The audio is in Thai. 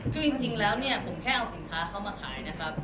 คือจริงแล้วเนี่ยผมแค่เอาสินค้าเข้ามาขายนะครับ